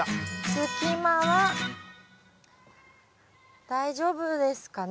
隙間は大丈夫ですかね。